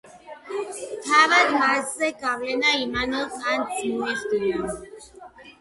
თავად მასზე გავლენა იმანუელ კანტს მოეხდინა.